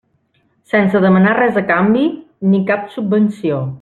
Sense demanar res a canvi, ni cap subvenció.